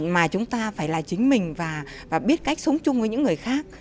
mà chúng ta phải là chính mình và biết cách sống chung với những người khác